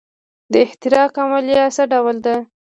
د احتراق عملیه څه ډول ده.